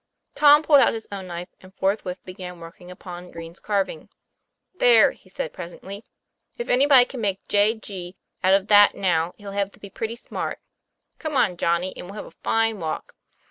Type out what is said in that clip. Tom pulled out his own knife, and forthwith began working upon Green's carving. 'There!" he said presently. "If anybody can make J. G. out of that now he'll have to be pretty smart. Come on, Johnnie, and we'll have a fine walk."